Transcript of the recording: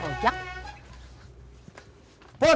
kenapa nyarisep apa tak